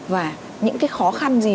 và những cái khó khăn gì